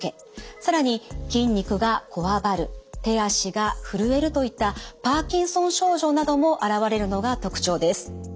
更に筋肉がこわばる手足が震えるといったパーキンソン症状なども現れるのが特徴です。